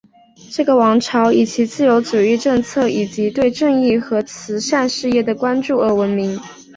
这个王朝以其自由主义政策以及对正义和慈善事业的关注而闻名。